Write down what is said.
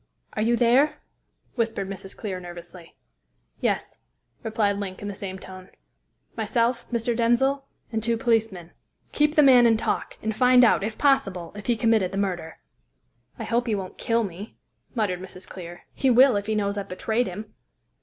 "Are you there?" whispered Mrs. Clear nervously. "Yes," replied Link in the same tone. "Myself, Mr. Denzil, and two policemen. Keep the man in talk, and find out, if possible, if he committed the murder." "I hope he won't kill me," muttered Mrs. Clear. "He will, if he knows I've betrayed him."